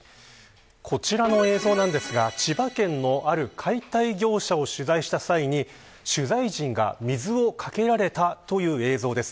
こちらの映像なんですが千葉県のある解体業者を取材した際に取材陣が水をかけられたという映像です。